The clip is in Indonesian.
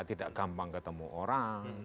tidak gampang ketemu orang